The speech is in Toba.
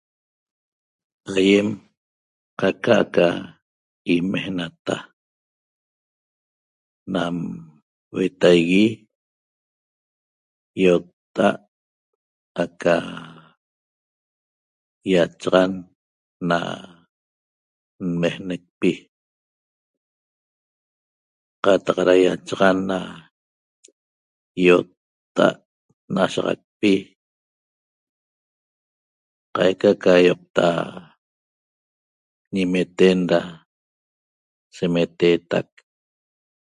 Aiem qaca aca imeenata nam huetaigui iotta'at aca iachaxan na nmeenecpi qataq ra iachaxan ana iotta'at na'ashaxacpi qaica ca ioqta ñimeten ra semeteetac